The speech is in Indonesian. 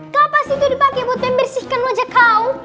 kapas itu dipake buat membersihkan wajah kau